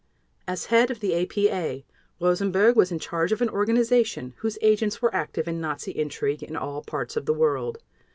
_ As head of the APA, Rosenberg was in charge of an organization whose agents were active in Nazi intrigue in all parts of the world.